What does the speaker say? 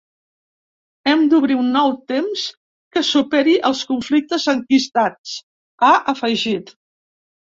Hem d’obrir un nou temps que superi els conflictes enquistats, ha afegit.